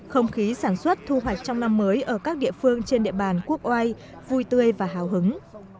không khí sản xuất thu hoạch trong năm mới ở các địa phương trên địa bàn quốc oai vui tươi và hào hứng